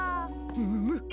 ムム！